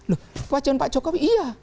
loh kewajiban pak jokowi iya